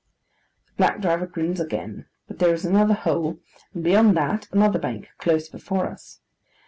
The black driver grins again, but there is another hole, and beyond that, another bank, close before us.